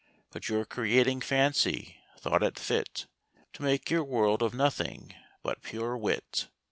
But your Creating Fancy, thought it fit To make your World of Nothing, but pure Wit.